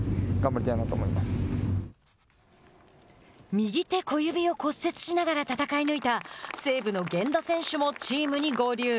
右手小指を骨折しながら戦い抜いた西武の源田選手もチームに合流。